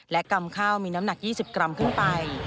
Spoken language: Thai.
และกำข้าวมีน้ำหนัก๒๐กรัมขึ้นไป